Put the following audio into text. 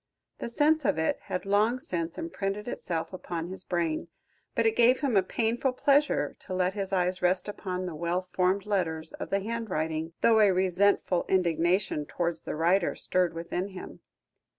The sense of it had long since imprinted itself upon his brain, but it gave him a painful pleasure to let his eyes rest upon the well formed letters of the handwriting, though a resentful indignation towards the writer stirred within him.